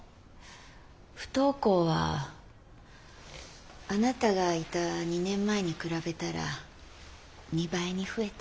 不登校はあなたがいた２年前に比べたら２倍に増えた。